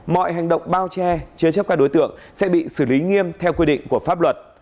mọi hành động bao che chứa chấp các đối tượng sẽ bị xử lý nghiêm theo quy định của pháp luật